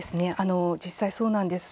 実際そうなんです。